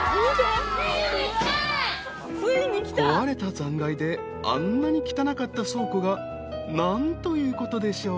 ［壊れた残骸であんなに汚かった倉庫が何ということでしょう］